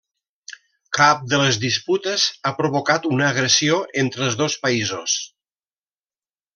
Cap de les disputes ha provocat una agressió entre els dos països.